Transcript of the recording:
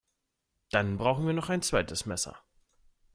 Dann brauchen wir noch ein zweites Messer